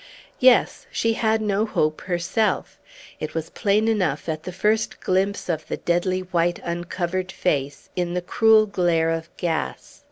Yes, she had no hope herself! It was plain enough at the first glimpse of the deadly white, uncovered face, in the cruel glare of gas.